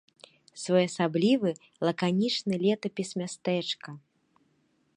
Своеасаблівы лаканічны летапіс мястэчка.